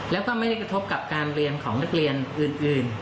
แล้วก็ไม่ได้กระทบกับการเรียนของนักเรียนอื่น